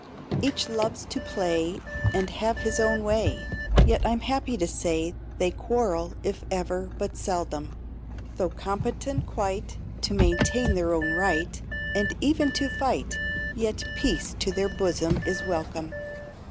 Each loves to play And have his own way, Yet I'm happy to say They quarrel, if ever, but seldom. Though competent quite To maintain their own right, And even to fight, Yet peace to their bosom is welcome.